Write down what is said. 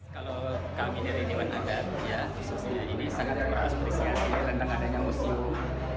kalau kami dari diwan adat ini sangat berasurasi tentang adanya museum